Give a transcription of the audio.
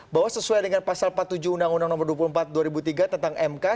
bahwa sesuai dengan pasal empat puluh tujuh undang undang nomor dua puluh empat dua ribu tiga tentang mk